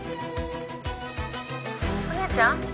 お姉ちゃん！？